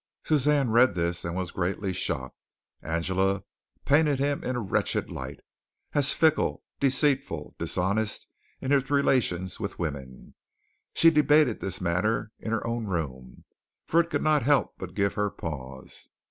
Suzanne read this and was greatly shocked. Angela painted him in a wretched light, as fickle, deceitful, dishonest in his relations with women. She debated this matter in her own room, for it could not help but give her pause.